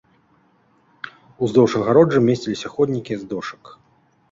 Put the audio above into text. Уздоўж агароджы месціліся ходнікі з дошак.